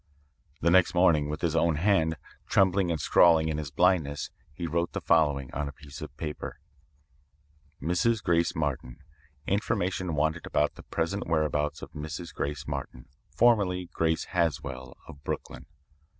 "The next morning, with his own hand, trembling and scrawling in his blindness, he wrote the following on a piece of paper: "'Mrs. GRACE MARTIN. Information wanted about the present whereabouts of Mrs. Grace Martin, formerly Grace Haswell of Brooklyn.